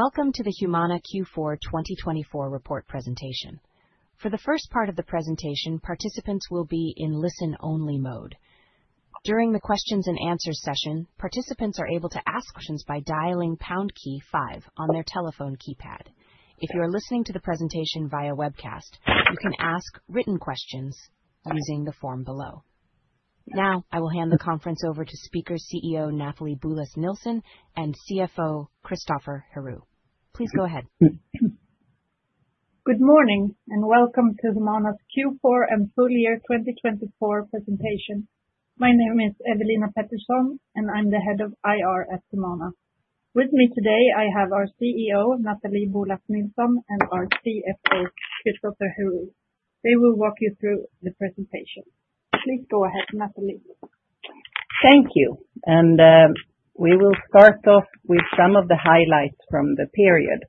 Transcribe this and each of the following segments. Welcome to the Humana Q4 2024 Report Presentation. For the first part of the presentation, participants will be in listen-only mode. During the questions and answer session, participants are able to ask questions by dialing #5 on their telephone keypad. If you are listening to the presentation via webcast, you can ask written questions using the form below. Now, I will hand the conference over to CEO Nathalie Boulas Nilsson and CFO Christoffer Herou. Please go ahead. Good morning, and welcome to Humana's Q4 and full year 2024 presentation. My name is Ewelina Pettersson, and I'm the Head of IR at Humana. With me today, I have our CEO, Nathalie Boulas Nilsson, and our CFO, Christoffer Herou. They will walk you through the presentation. Please go ahead, Nathalie. Thank you. We will start off with some of the highlights from the period.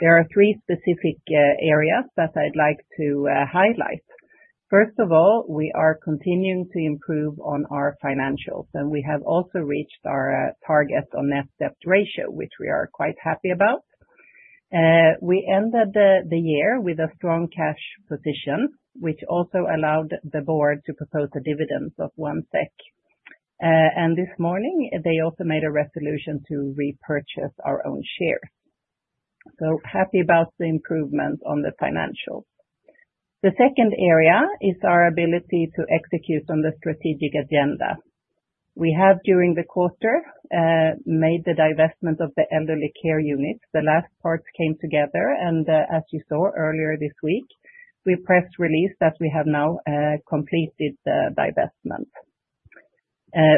There are three specific areas that I'd like to highlight. First of all, we are continuing to improve on our financials, and we have also reached our target on net debt ratio, which we are quite happy about. We ended the year with a strong cash position, which also allowed the board to propose a dividend of 1 SEK. This morning, they also made a resolution to repurchase our own shares. Happy about the improvement on the financials. The second area is our ability to execute on the strategic agenda. We have, during the quarter, made the divestment of the elderly care unit. The last parts came together, and as you saw earlier this week, we press released that we have now completed the divestment.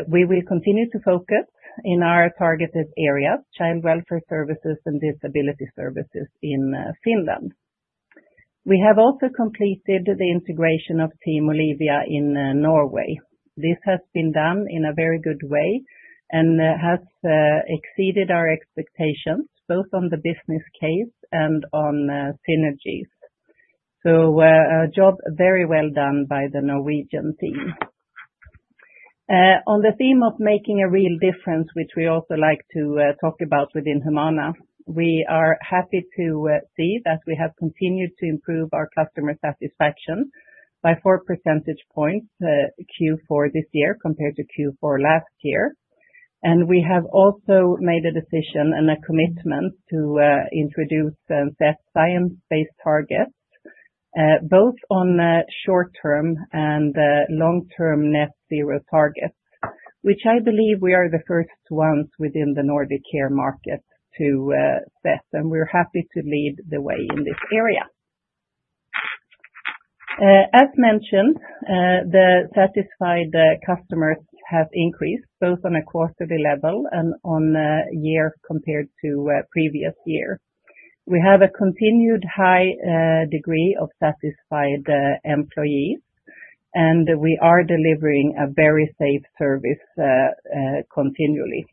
We will continue to focus in our targeted areas, child welfare services and disability services in Finland. We have also completed the integration of Team Olivia in Norway. This has been done in a very good way and has exceeded our expectations, both on the business case and on synergies. A job very well done by the Norwegian team. On the theme of making a real difference, which we also like to talk about within Humana, we are happy to see that we have continued to improve our customer satisfaction by 4 percentage points Q4 this year compared to Q4 last year. We have also made a decision and a commitment to introduce and set science-based targets, both on short-term and long-term net zero targets, which I believe we are the first ones within the Nordic care market to set, and we are happy to lead the way in this area. As mentioned, the satisfied customers have increased both on a quarterly level and on a year compared to previous years. We have a continued high degree of satisfied employees, and we are delivering a very safe service continually.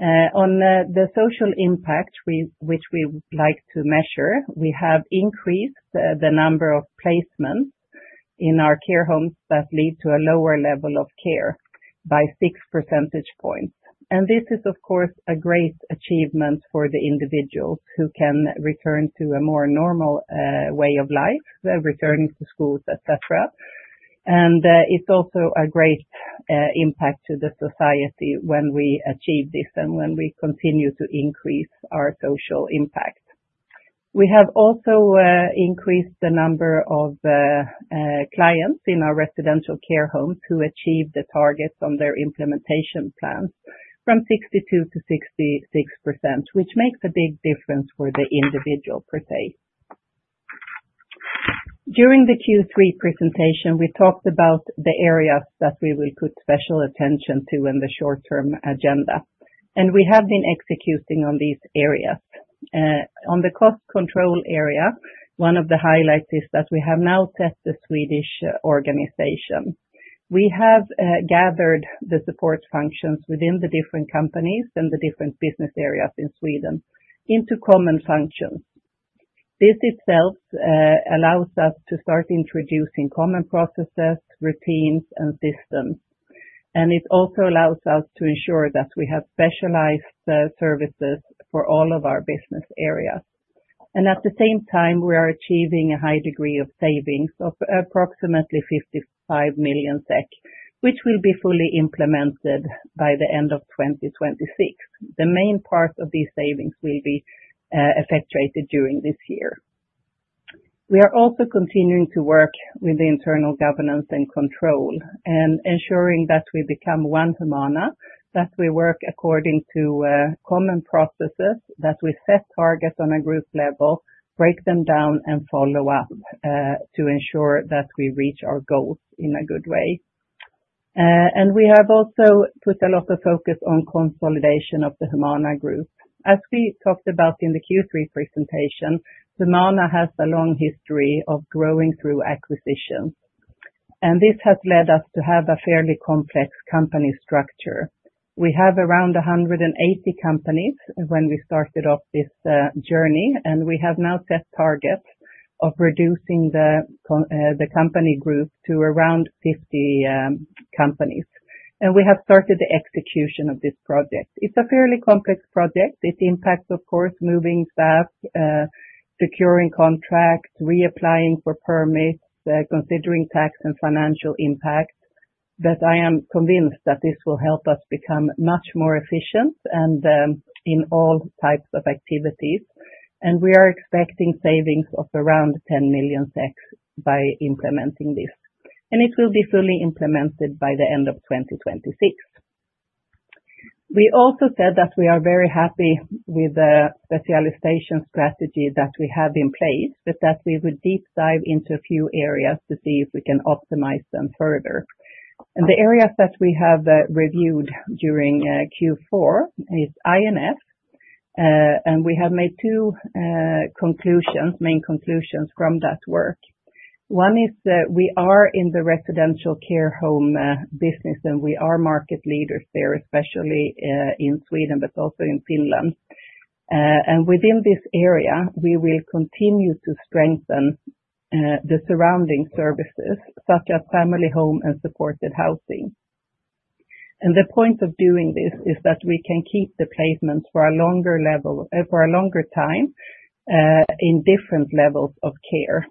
On the social impact, which we like to measure, we have increased the number of placements in our care homes that lead to a lower level of care by 6 percentage points. This is, of course, a great achievement for the individuals who can return to a more normal way of life, returning to schools, et cetera. It is also a great impact to the society when we achieve this and when we continue to increase our social impact. We have also increased the number of clients in our residential care homes who achieve the targets on their implementation plans from 62% to 66%, which makes a big difference for the individual per se. During the Q3 presentation, we talked about the areas that we will put special attention to in the short-term agenda, and we have been executing on these areas. On the cost control area, one of the highlights is that we have now set the Swedish organization. We have gathered the support functions within the different companies and the different business areas in Sweden into common functions. This itself allows us to start introducing common processes, routines, and systems. It also allows us to ensure that we have specialized services for all of our business areas. At the same time, we are achieving a high degree of savings of approximately 55 million SEK, which will be fully implemented by the end of 2026. The main part of these savings will be effectuated during this year. We are also continuing to work with the internal governance and control and ensuring that we become one Humana, that we work according to common processes, that we set targets on a group level, break them down, and follow up to ensure that we reach our goals in a good way. We have also put a lot of focus on consolidation of the Humana group. As we talked about in the Q3 presentation, Humana has a long history of growing through acquisitions, and this has led us to have a fairly complex company structure. We have around 180 companies when we started off this journey, and we have now set targets of reducing the company group to around 50 companies. We have started the execution of this project. It is a fairly complex project. It impacts, of course, moving staff, securing contracts, reapplying for permits, considering tax and financial impact. I am convinced that this will help us become much more efficient in all types of activities. We are expecting savings of around 10 million by implementing this. It will be fully implemented by the end of 2026. We also said that we are very happy with the specialization strategy that we have in place, but that we would deep dive into a few areas to see if we can optimize them further. The areas that we have reviewed during Q4 is INF, and we have made two main conclusions from that work. One is we are in the residential care home business, and we are market leaders there, especially in Sweden, but also in Finland. Within this area, we will continue to strengthen the surrounding services, such as family home and supported housing. The point of doing this is that we can keep the placements for a longer time, in different levels of care.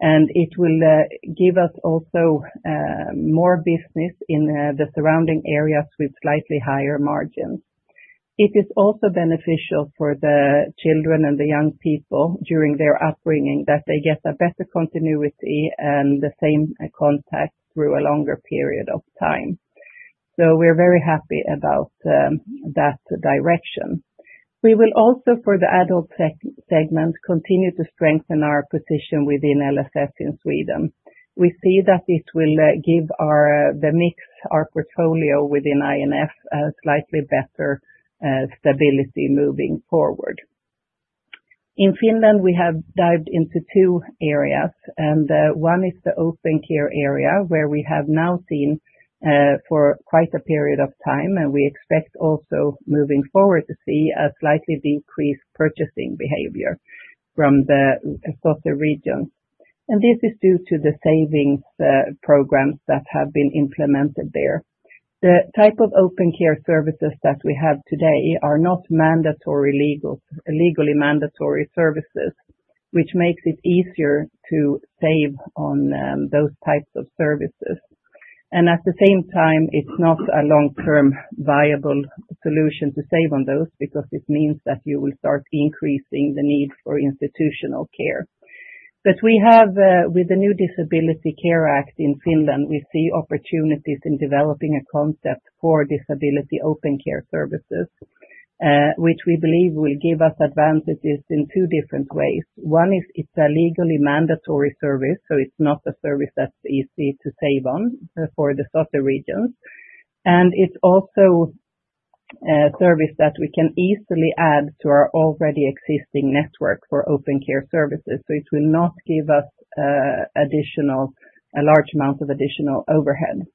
It will give us also more business in the surrounding areas with slightly higher margins. It is also beneficial for the children and the young people during their upbringing that they get a better continuity and the same contact through a longer period of time. We are very happy about that direction. We will also, for the adult segment, continue to strengthen our position within LSS in Sweden. We see that this will give the mix, our portfolio within INF, a slightly better stability moving forward. In Finland, we have dived into two areas, and one is the open care area, where we have now seen for quite a period of time, and we expect also moving forward to see a slightly decreased purchasing behavior from the SOTE-region. This is due to the savings programs that have been implemented there. The type of open care services that we have today are not legally mandatory services, which makes it easier to save on those types of services. At the same time, it's not a long-term viable solution to save on those because it means that you will start increasing the need for institutional care. We have, with the new Disability Care Act in Finland, we see opportunities in developing a concept for disability open care services, which we believe will give us advantages in two different ways. One is it's a legally mandatory service, so it's not a service that's easy to save on for the SOTE-regions. It's also a service that we can easily add to our already existing network for open care services, so it will not give us a large amount of additional overhead.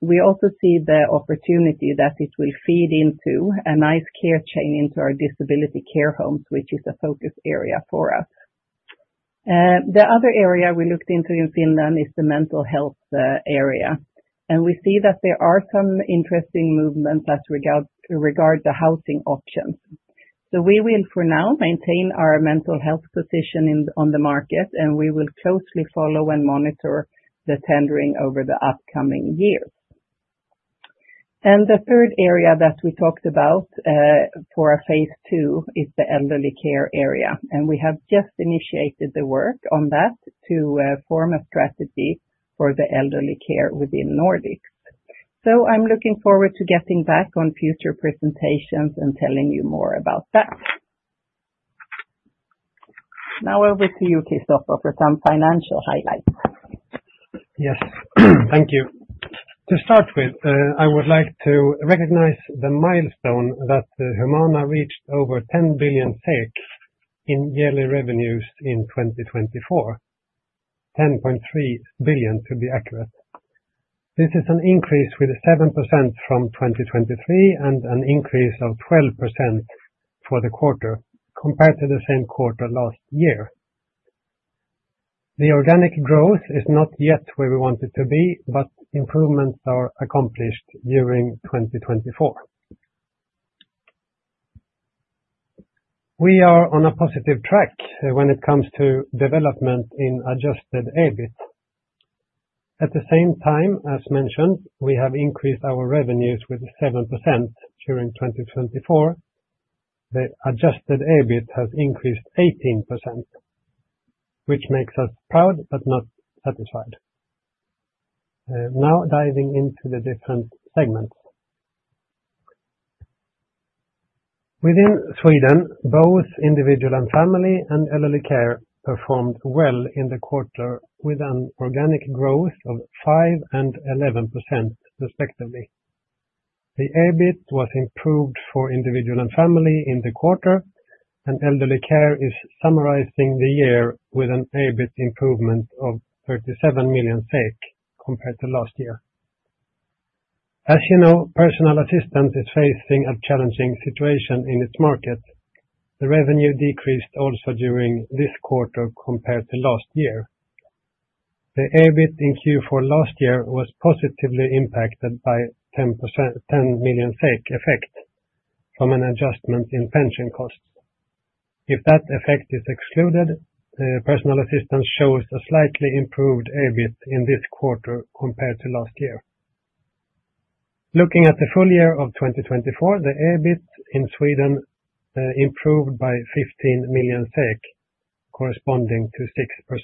We also see the opportunity that it will feed into a nice care chain into our disability care homes, which is a focus area for us. The other area we looked into in Finland is the mental health area. We see that there are some interesting movements as regards the housing options. We will, for now, maintain our mental health position on the market, and we will closely follow and monitor the tendering over the upcoming years. The third area that we talked about for our phase two is the elderly care area. We have just initiated the work on that to form a strategy for the elderly care within Nordics. I am looking forward to getting back on future presentations and telling you more about that. Now over to you, Christoffer, for some financial highlights. Yes, thank you. To start with, I would like to recognize the milestone that Humana reached over 10 billion in yearly revenues in 2024, 10.3 billion to be accurate. This is an increase with 7% from 2023 and an increase of 12% for the quarter, compared to the same quarter last year. The organic growth is not yet where we want it to be, but improvements are accomplished during 2024. We are on a positive track when it comes to development in adjusted EBIT. At the same time, as mentioned, we have increased our revenues with 7% during 2024. The adjusted EBIT has increased 18%, which makes us proud but not satisfied. Now diving into the different segments. Within Sweden, both individual and family and elderly care performed well in the quarter with an organic growth of 5% and 11% respectively. The EBIT was improved for individual and family in the quarter, and elderly care is summarizing the year with an EBIT improvement of 37 million compared to last year. As you know, personal assistance is facing a challenging situation in its market. The revenue decreased also during this quarter compared to last year. The EBIT in Q4 last year was positively impacted by a 10 million effect from an adjustment in pension costs. If that effect is excluded, personal assistance shows a slightly improved EBIT in this quarter compared to last year. Looking at the full year of 2024, the EBIT in Sweden improved by 15 million SEK, corresponding to 6%.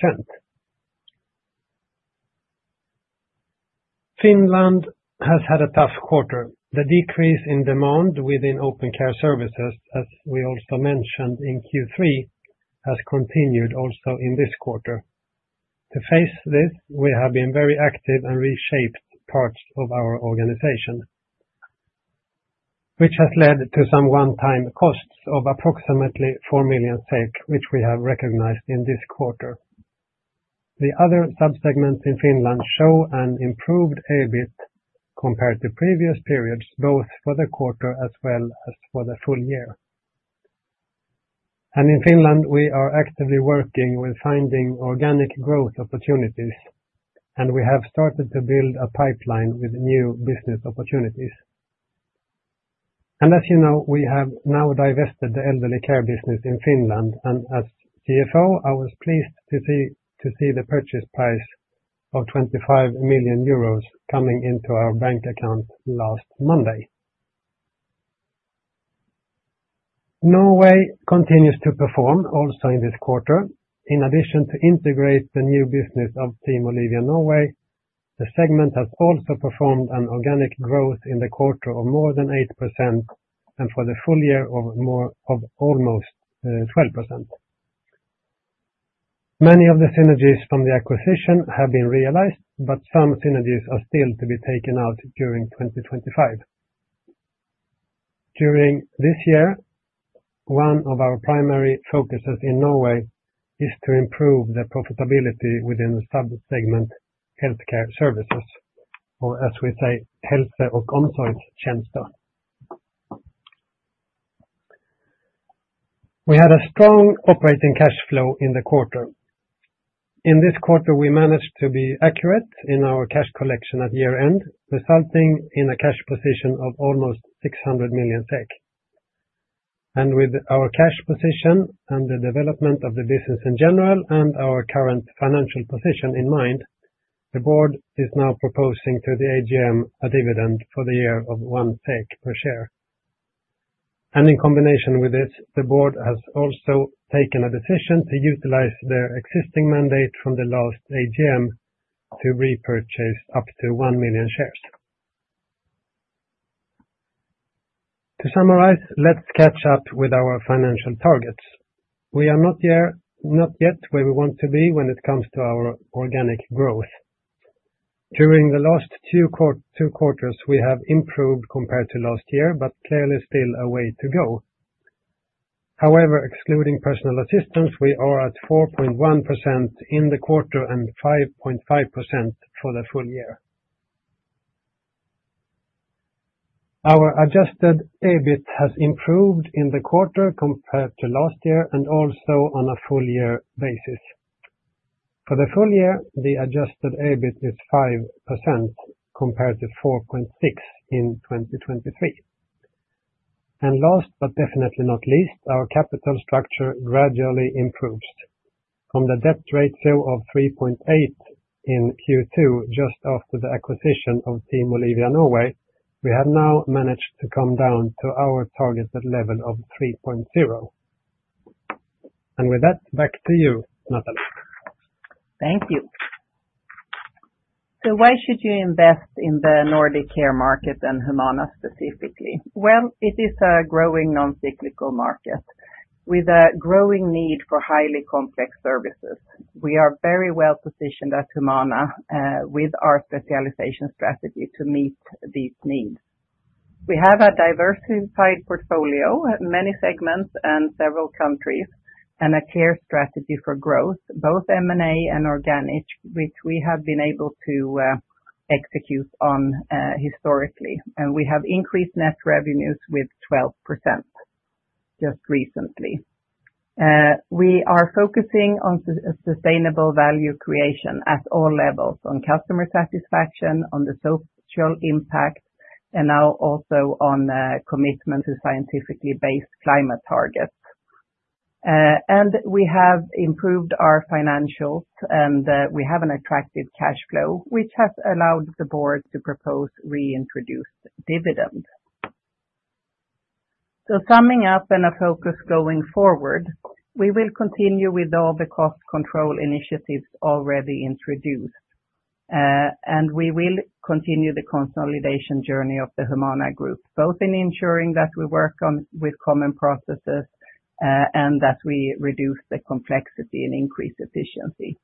Finland has had a tough quarter. The decrease in demand within open care services, as we also mentioned in Q3, has continued also in this quarter. To face this, we have been very active and reshaped parts of our organization, which has led to some one-time costs of approximately 4 million, which we have recognized in this quarter. The other subsegments in Finland show an improved EBIT compared to previous periods, both for the quarter as well as for the full year. In Finland, we are actively working with finding organic growth opportunities, and we have started to build a pipeline with new business opportunities. As you know, we have now divested the elderly care business in Finland. As CFO, I was pleased to see the purchase price of 25 million euros coming into our bank account last Monday. Norway continues to perform also in this quarter. In addition to integrate the new business of Team Olivia Norway, the segment has also performed an organic growth in the quarter of more than 8% and for the full year of almost 12%. Many of the synergies from the acquisition have been realized, but some synergies are still to be taken out during 2025. During this year, one of our primary focuses in Norway is to improve the profitability within the subsegment healthcare services, or as we say, Helse og omsorgstjenester. We had a strong operating cash flow in the quarter. In this quarter, we managed to be accurate in our cash collection at year-end, resulting in a cash position of almost 600 million SEK. With our cash position and the development of the business in general and our current financial position in mind, the board is now proposing to the AGM a dividend for the year of 1 per share. In combination with this, the board has also taken a decision to utilize their existing mandate from the last AGM to repurchase up to 1 million shares. To summarize, let's catch up with our financial targets. We are not yet where we want to be when it comes to our organic growth. During the last two quarters, we have improved compared to last year, but clearly still a way to go. However, excluding personal assistance, we are at 4.1% in the quarter and 5.5% for the full year. Our adjusted EBIT has improved in the quarter compared to last year and also on a full year basis. For the full year, the adjusted EBIT is 5% compared to 4.6% in 2023. Last but definitely not least, our capital structure gradually improves. From the debt ratio of 3.8% in Q2, just after the acquisition of Team Olivia Norway, we have now managed to come down to our targeted level of 3.0%. With that, back to you, Nathalie. Thank you. Why should you invest in the Nordic care market and Humana specifically? It is a growing non-cyclical market with a growing need for highly complex services. We are very well positioned at Humana with our specialization strategy to meet these needs. We have a diversified portfolio, many segments and several countries, and a clear strategy for growth, both M&A and organic, which we have been able to execute on historically. We have increased net revenues with 12% just recently. We are focusing on sustainable value creation at all levels, on customer satisfaction, on the social impact, and now also on commitment to scientifically based climate targets. We have improved our financials, and we have an attractive cash flow, which has allowed the board to propose reintroduced dividends. Summing up and a focus going forward, we will continue with all the cost control initiatives already introduced. We will continue the consolidation journey of the Humana group, both in ensuring that we work with common processes and that we reduce the complexity and increase efficiency.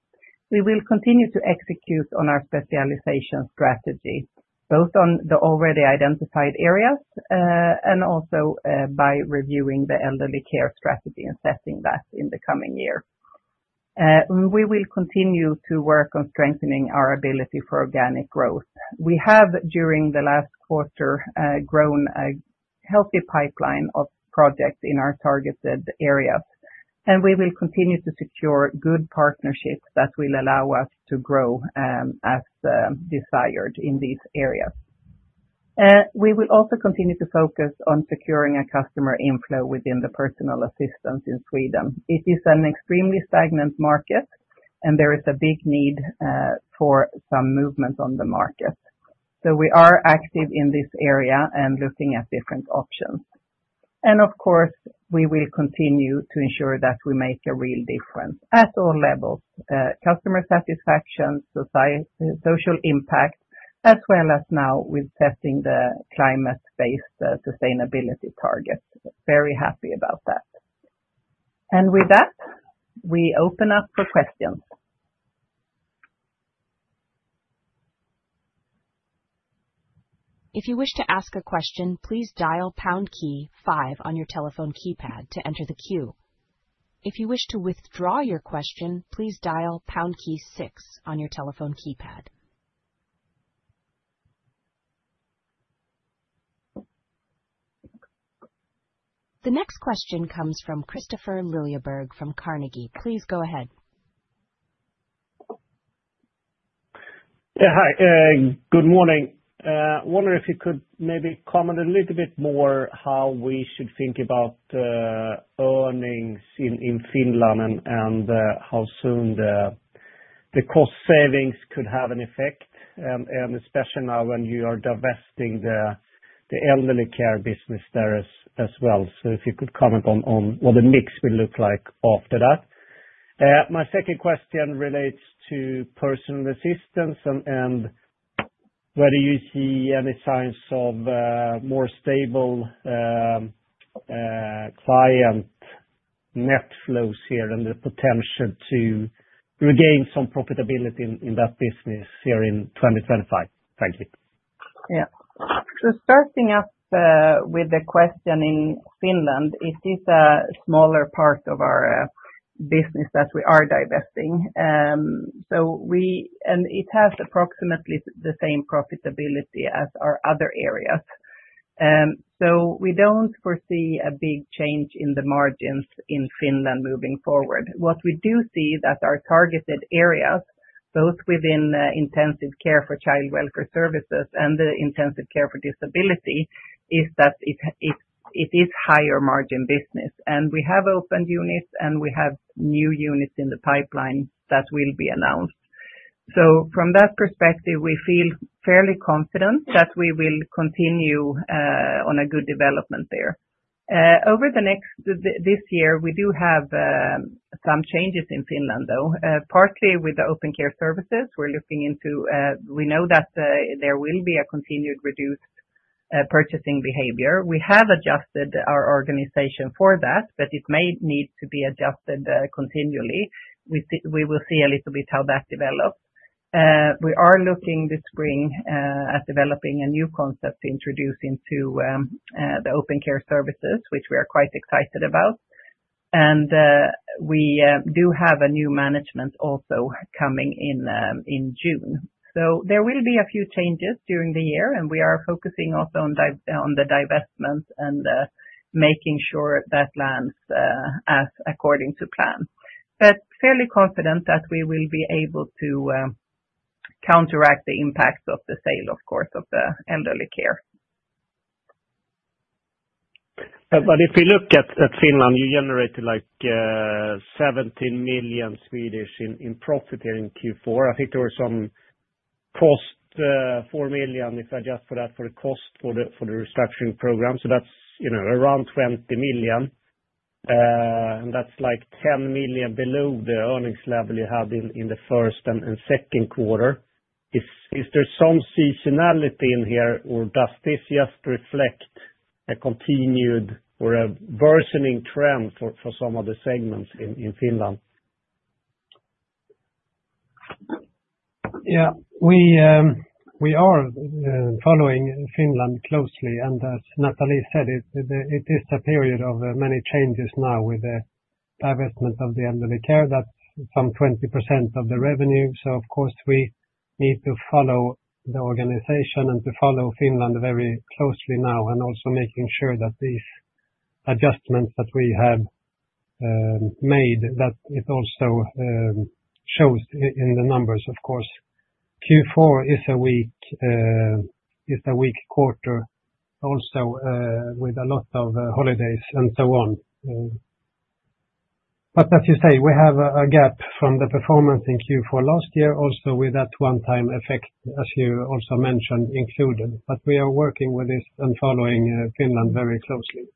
We will continue to execute on our specialization strategy, both on the already identified areas and also by reviewing the elderly care strategy and setting that in the coming year. We will continue to work on strengthening our ability for organic growth. We have, during the last quarter, grown a healthy pipeline of projects in our targeted areas. We will continue to secure good partnerships that will allow us to grow as desired in these areas. We will also continue to focus on securing a customer inflow within the personal assistance in Sweden. It is an extremely stagnant market, and there is a big need for some movement on the market. We are active in this area and looking at different options. Of course, we will continue to ensure that we make a real difference at all levels: customer satisfaction, social impact, as well as now with setting the climate-based sustainability target. Very happy about that. With that, we open up for questions. If you wish to ask a question, please dial pound key five on your telephone keypad to enter the queue. If you wish to withdraw your question, please dial pound key six on your telephone keypad. The next question comes from Kristofer Liljeberg from Carnegie. Please go ahead. Yeah, hi. Good morning. I wonder if you could maybe comment a little bit more how we should think about earnings in Finland and how soon the cost savings could have an effect, and especially now when you are divesting the elderly care business there as well. If you could comment on what the mix will look like after that. My second question relates to personal assistance and whether you see any signs of more stable client net flows here and the potential to regain some profitability in that business here in 2025. Thank you. Yeah. Starting off with the question in Finland, it is a smaller part of our business that we are divesting. It has approximately the same profitability as our other areas. We do not foresee a big change in the margins in Finland moving forward. What we do see is that our targeted areas, both within intensive care for child welfare services and the intensive care for disability, are higher margin business. We have opened units, and we have new units in the pipeline that will be announced. From that perspective, we feel fairly confident that we will continue on a good development there. Over the next this year, we do have some changes in Finland, though, partly with the open care services. We are looking into, we know that there will be a continued reduced purchasing behavior. We have adjusted our organization for that, but it may need to be adjusted continually. We will see a little bit how that develops. We are looking this spring at developing a new concept to introduce into the open care services, which we are quite excited about. We do have a new management also coming in June. There will be a few changes during the year, and we are focusing also on the divestment and making sure that lands according to plan. Fairly confident that we will be able to counteract the impacts of the sale, of course, of the elderly care. If you look at Finland, you generated like 17 million in profit here in Q4. I think there were some cost 4 million, if I just put that for the cost for the restructuring program. So that is around 20 million. And that is like 10 million below the earnings level you had in the first and second quarter. Is there some seasonality in here, or does this just reflect a continued or a worsening trend for some of the segments in Finland? Yeah, we are following Finland closely. As Nathalie said, it is a period of many changes now with the divestment of the elderly care. That is some 20% of the revenue. Of course, we need to follow the organization and to follow Finland very closely now and also making sure that these adjustments that we have made, that it also shows in the numbers, of course. Q4 is a weak quarter, also with a lot of holidays and so on. As you say, we have a gap from the performance in Q4 last year, also with that one-time effect, as you also mentioned, included. We are working with this and following Finland very closely.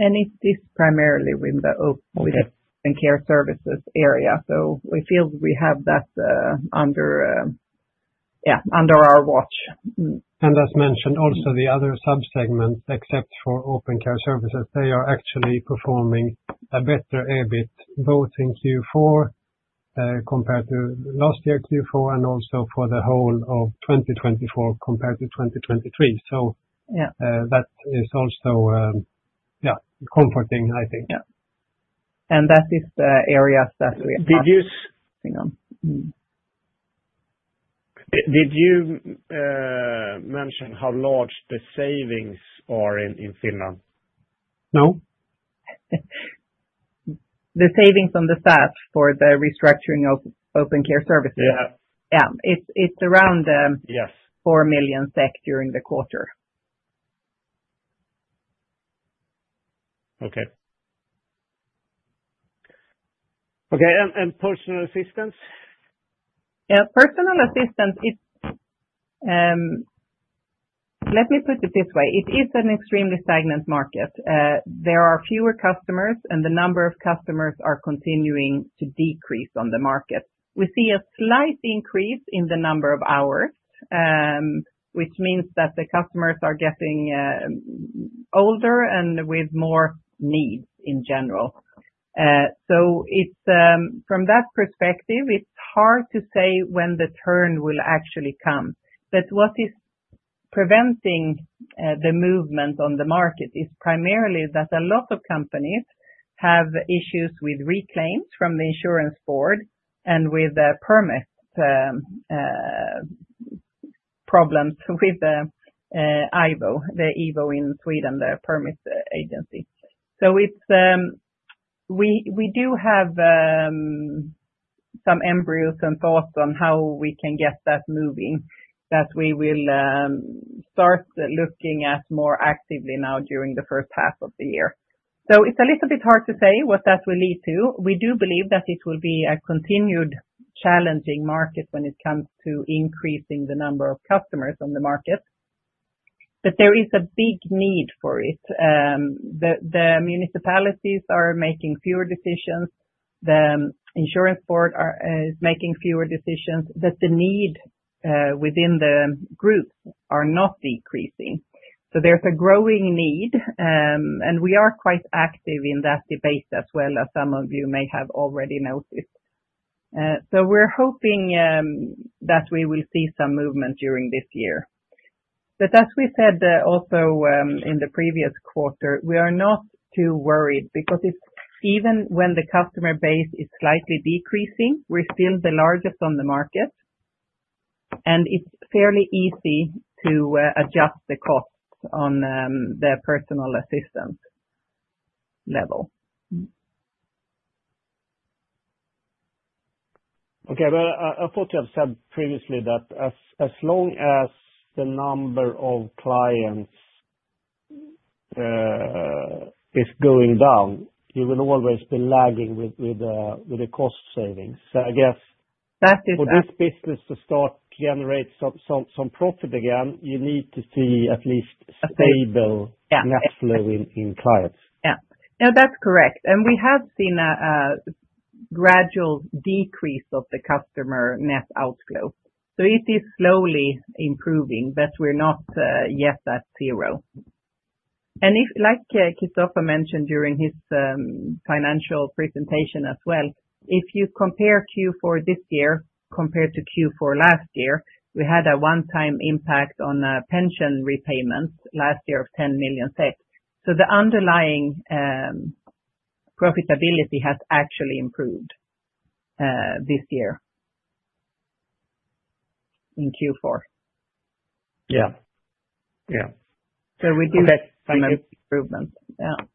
It is primarily with the open care services area. We feel we have that under our watch. As mentioned, also the other subsegments, except for open care services, they are actually performing a better EBIT, both in Q4 compared to last year Q4 and also for the whole of 2024 compared to 2023. That is also, yeah, comforting, I think. Yeah. That is the areas that we are focusing on. Did you mention how large the savings are in Finland? No. The savings on the SAS for the restructuring of open care services. Yeah. Yeah. It's around 4 million SEK during the quarter. Okay. Okay. And personal assistance? Yeah. Personal assistance, let me put it this way. It is an extremely stagnant market. There are fewer customers, and the number of customers are continuing to decrease on the market. We see a slight increase in the number of hours, which means that the customers are getting older and with more needs in general. From that perspective, it's hard to say when the turn will actually come. What is preventing the movement on the market is primarily that a lot of companies have issues with reclaims from the insurance board and with the permit problems with IVO, the IVO in Sweden, the permit agency. We do have some embryos and thoughts on how we can get that moving, that we will start looking at more actively now during the first half of the year. It is a little bit hard to say what that will lead to. We do believe that it will be a continued challenging market when it comes to increasing the number of customers on the market. There is a big need for it. The municipalities are making fewer decisions. The insurance board is making fewer decisions. The need within the groups is not decreasing. There is a growing need, and we are quite active in that debate as well, as some of you may have already noticed. We are hoping that we will see some movement during this year. As we said also in the previous quarter, we are not too worried because even when the customer base is slightly decreasing, we are still the largest on the market. It is fairly easy to adjust the costs on the personal assistance level. Okay. I thought you have said previously that as long as the number of clients is going down, you will always be lagging with the cost savings. I guess for this business to start generating some profit again, you need to see at least stable net flow in clients. Yeah, yeah, that's correct. We have seen a gradual decrease of the customer net outflow. It is slowly improving, but we're not yet at zero. Like Christoffer mentioned during his financial presentation as well, if you compare Q4 this year compared to Q4 last year, we had a one-time impact on pension repayments last year of 10 million. The underlying profitability has actually improved this year in Q4. Yeah. Yeah. We do see improvements. Yeah.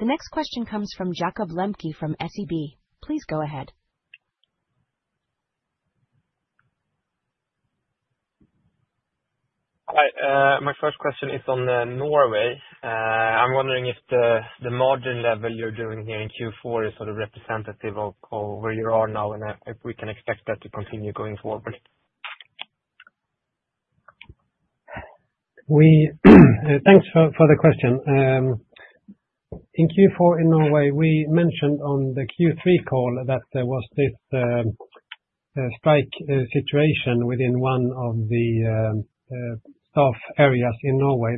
The next question comes from Jakob Lembke from SEB. Please go ahead. Hi. My first question is on Norway. I'm wondering if the margin level you're doing here in Q4 is sort of representative of where you are now and if we can expect that to continue going forward? Thanks for the question. In Q4 in Norway, we mentioned on the Q3 call that there was this strike situation within one of the staff areas in Norway.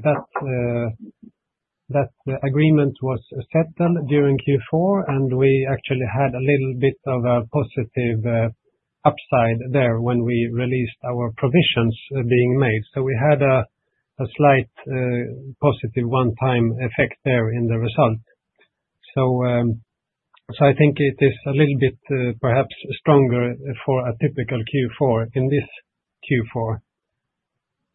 That agreement was settled during Q4, and we actually had a little bit of a positive upside there when we released our provisions being made. We had a slight positive one-time effect there in the result. I think it is a little bit perhaps stronger for a typical Q4 in this Q4.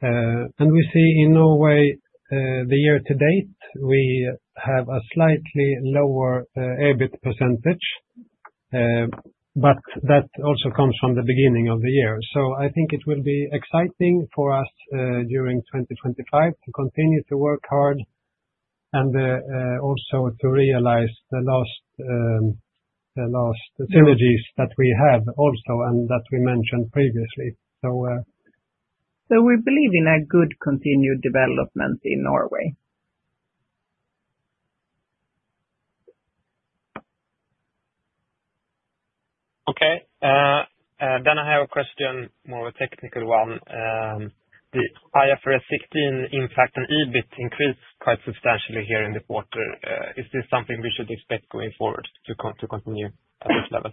We see in Norway, the year to date, we have a slightly lower EBIT percentage, but that also comes from the beginning of the year. I think it will be exciting for us during 2025 to continue to work hard and also to realize the last synergies that we have also and that we mentioned previously. We believe in a good continued development in Norway. Okay. I have a question, more of a technical one. The IFRS 16 impact on EBIT increased quite substantially here in the quarter. Is this something we should expect going forward to continue at this level?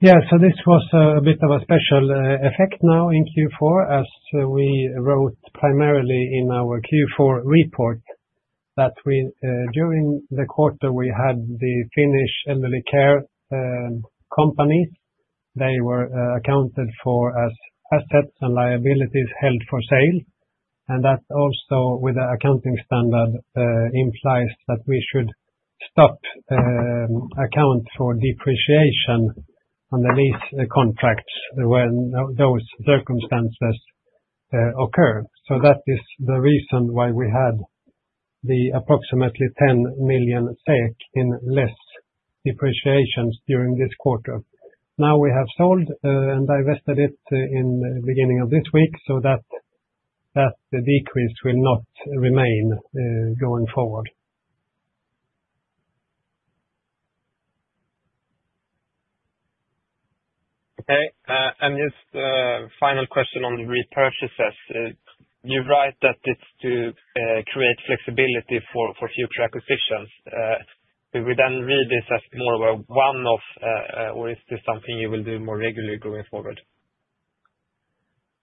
Yeah. This was a bit of a special effect now in Q4, as we wrote primarily in our Q4 report that during the quarter, we had the Finnish elderly care companies. They were accounted for as assets and liabilities held for sale. That also, with the accounting standard, implies that we should stop account for depreciation on the lease contracts when those circumstances occur. That is the reason why we had the approximately 10 million SEK in less depreciations during this quarter. Now we have sold and divested it in the beginning of this week so that the decrease will not remain going forward. Okay. Just a final question on the repurchases. You write that it's to create flexibility for future acquisitions. Do we then read this as more of a one-off, or is this something you will do more regularly going forward?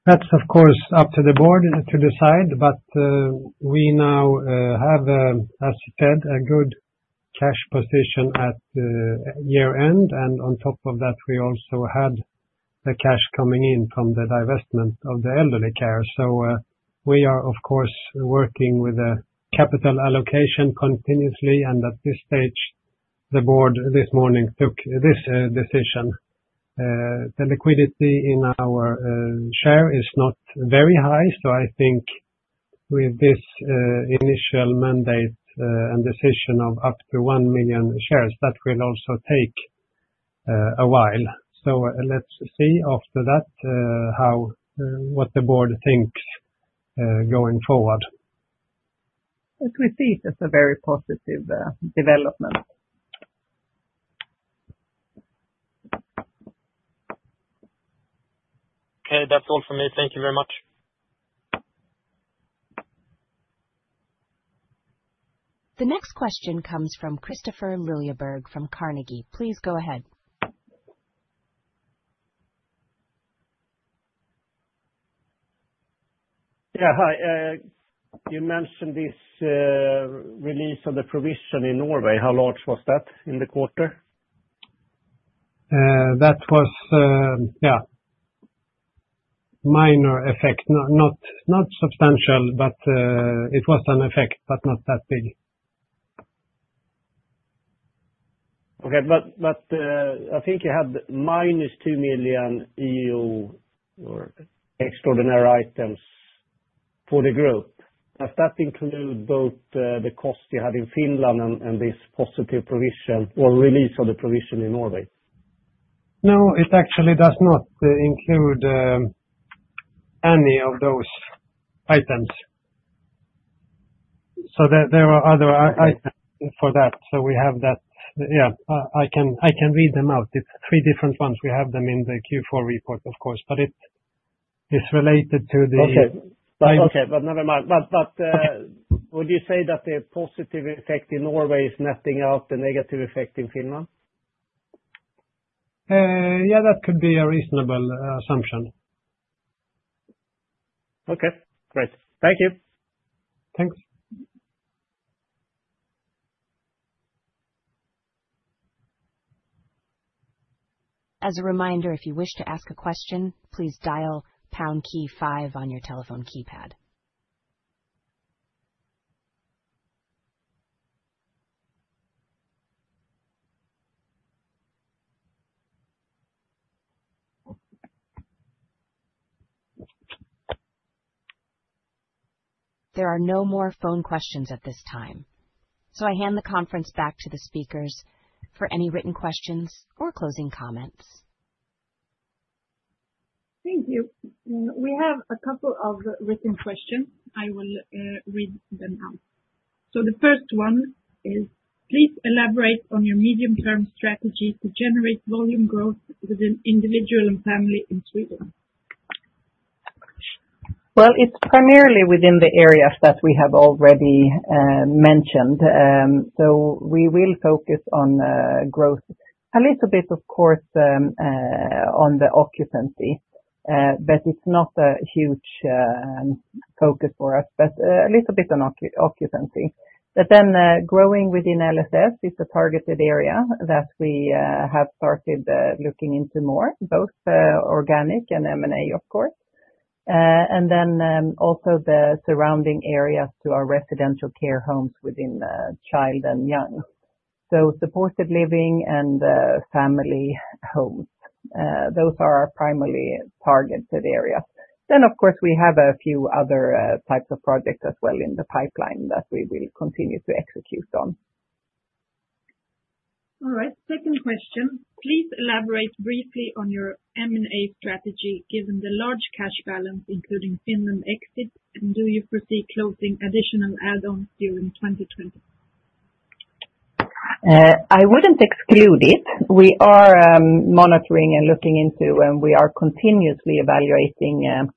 is, of course, up to the board to decide. We now have, as you said, a good cash position at year-end. On top of that, we also had the cash coming in from the divestment of the elderly care. We are, of course, working with the capital allocation continuously. At this stage, the board this morning took this decision. The liquidity in our share is not very high. I think with this initial mandate and decision of up to 1 million shares, that will also take a while. Let us see after that what the board thinks going forward. We see it as a very positive development. Okay. That's all for me. Thank you very much. The next question comes from Kristofer Liljeberg from Carnegie. Please go ahead. Yeah. Hi. You mentioned this release of the provision in Norway. How large was that in the quarter? That was, yeah, a minor effect. Not substantial, but it was an effect, but not that big. Okay. I think you had minus 2 million extraordinary items for the group. Does that include both the cost you had in Finland and this positive provision or release of the provision in Norway? No, it actually does not include any of those items. There are other items for that. We have that. Yeah. I can read them out. It's three different ones. We have them in the Q4 report, of course, but it's related to the- Okay. Okay. Never mind. Would you say that the positive effect in Norway is netting out the negative effect in Finland? Yeah, that could be a reasonable assumption. Okay. Great. Thank you. Thanks. As a reminder, if you wish to ask a question, please dial pound key five on your telephone keypad. There are no more phone questions at this time. I hand the conference back to the speakers for any written questions or closing comments. Thank you. We have a couple of written questions. I will read them out. The first one is, please elaborate on your medium-term strategy to generate volume growth within individual and family in Sweden. It is primarily within the areas that we have already mentioned. We will focus on growth a little bit, of course, on the occupancy, but it is not a huge focus for us, but a little bit on occupancy. Growing within LSS is a targeted area that we have started looking into more, both organic and M&A, of course. Also, the surrounding areas to our residential care homes within child and young, so supported living and family homes. Those are our primary targeted areas. Of course, we have a few other types of projects as well in the pipeline that we will continue to execute on. All right. Second question. Please elaborate briefly on your M&A strategy given the large cash balance including Finland exits. Do you foresee closing additional add-ons during 2020? I would not exclude it. We are monitoring and looking into, and we are continuously evaluating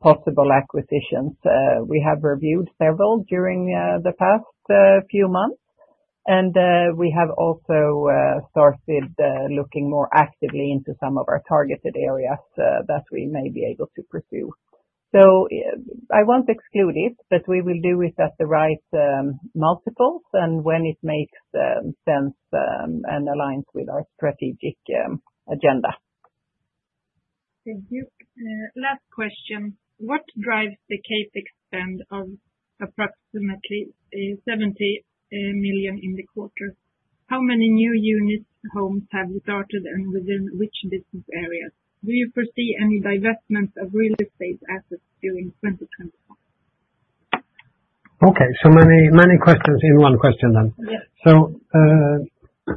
possible acquisitions. We have reviewed several during the past few months, and we have also started looking more actively into some of our targeted areas that we may be able to pursue. I will not exclude it, but we will do it at the right multiples and when it makes sense and aligns with our strategic agenda. Thank you. Last question. What drives the Capex spend of approximately 70 million in the quarter? How many new units, homes have you started, and within which business areas? Do you foresee any divestments of real estate assets during 2020? Okay. So many questions in one question then.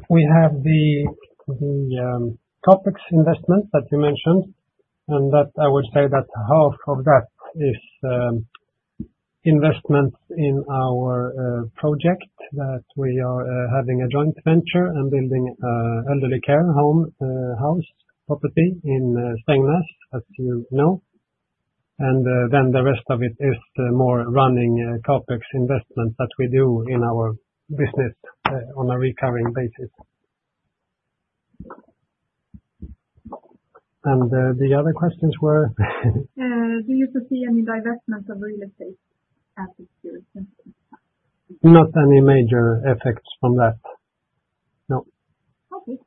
We have the topics investment that you mentioned, and I would say that half of that is investments in our project that we are having a joint venture and building an elderly care house property in Stegnes, as you know. The rest of it is more running topics investments that we do in our business on a recurring basis. The other questions were? Do you foresee any divestments of real estate assets during 2020? Not any major effects from that. No. Okay.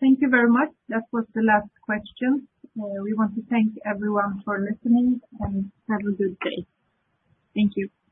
Thank you very much. That was the last question. We want to thank everyone for listening and have a good day. Thank you.